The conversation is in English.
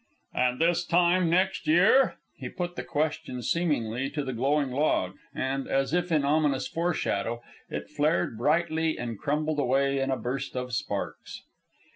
"And this time next year?" He put the question seemingly to the glowing log, and, as if in ominous foreshadow, it flared brightly and crumbled away in a burst of sparks.